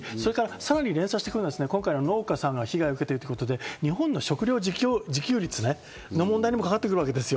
さらに連鎖してくるのが今回農家さんが被害を受けているということで日本の食料自給率にもかかわってくるわけです。